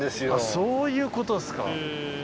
そういうことですか。